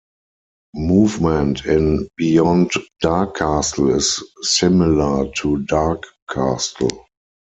Movement in "Beyond Dark Castle" is similar to "Dark Castle".